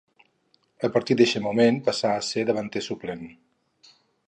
A partir d'eixe moment, passa a ser davanter suplent.